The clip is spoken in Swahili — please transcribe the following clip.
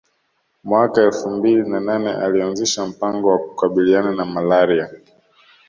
Mwaka elfu mbili na nane alianzisha mpango wa kukabiliana na Malaria